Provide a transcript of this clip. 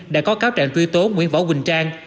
đã có cáo trạng truy tố nguyễn võ quỳnh trang